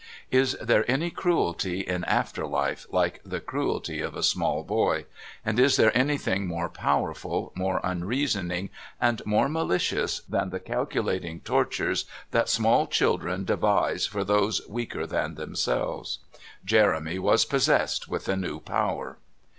Is there any cruelty in after life like the cruelty of a small boy, and is there anything more powerful, more unreasoning, and more malicious than the calculating tortures that small children devise for those weaker than themselves? Jeremy was possessed with a new power.